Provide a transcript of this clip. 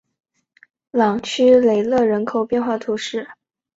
朗屈雷勒人口变化图示